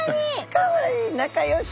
かわいい仲よしだ。